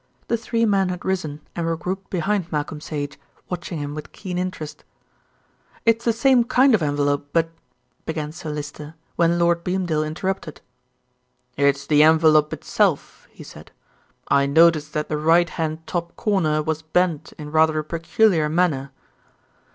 The three men had risen and were grouped behind Malcolm Sage, watching him with keen interest. "It's the same kind of envelope, but " began Sir Lyster, when Lord Beamdale interrupted. "It's the envelope itself," he said. "I noticed that the right hand top corner was bent in rather a peculiar manner."